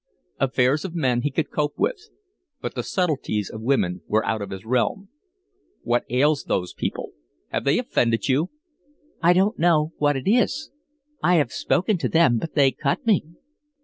Affairs of men he could cope with, but the subtleties of women were out of his realm. "What ails those people? Have they offended you?" "I don't know what it is. I have spoken to them, but they cut me."